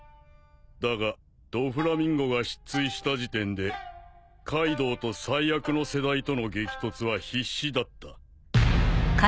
だがドフラミンゴが失墜した時点でカイドウと最悪の世代との激突は必至だった。